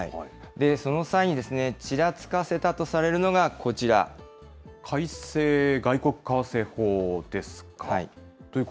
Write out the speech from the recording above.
その際にちらつかせたとされ改正外国為替法ですか？